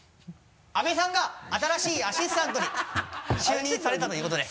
阿部さんが新しいアシスタントに就任されたということで。